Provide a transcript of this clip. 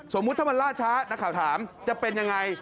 สมมุติถ้ามันล่าช้านักข่าวถามจะเป็นยังไง